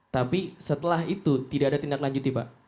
tapi setelah itu tidak ada tindak lanjuti pak